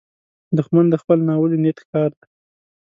دښمن د خپل ناولي نیت ښکار دی